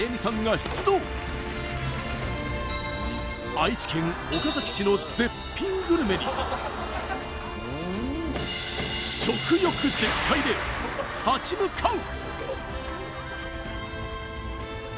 そしてこのあとの絶品グルメに食欲全開で立ち向かう！